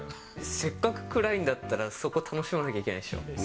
せっかく暗いんだったら、そこ楽しまないといけないでしょう。